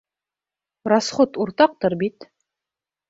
Расход уртаҡтыр бит?